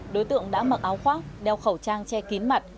đối tượng đã mặc áo khoác đeo khẩu trang che kín mặt